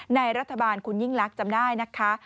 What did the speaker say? ในรัฐบาลคุณยิ่งลักษณ์จำได้นะคะ